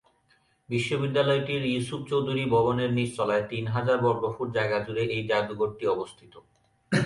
বিশ্ববিদ্যালয়টির ইউসুফ চৌধুরী ভবনের নিচতলায় তিন হাজার বর্গফুট জায়গা জুড়ে এই জাদুঘরটি অবস্থিত।